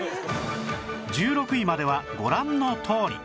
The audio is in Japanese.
１６位まではご覧のとおり